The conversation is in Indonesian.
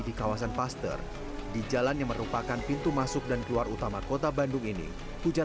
di kawasan paster di jalan yang merupakan pintu masuk dan keluar utama kota bandung ini hujan